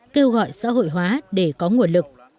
kêu gọi xã hội hóa để có nguồn lực